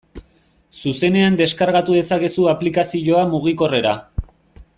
Zuzenean deskargatu dezakezu aplikazioa mugikorrera.